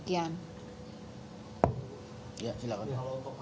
kalau pepatahuan bisa dikatakan sudah aman